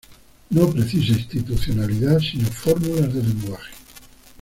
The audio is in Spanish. No precisa institucionalidad, sino fórmulas de lenguaje.